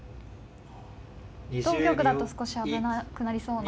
同玉だと少し危なくなりそうな。